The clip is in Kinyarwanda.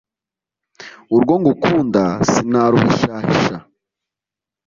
urwo ngukunda sinaruhishahisha,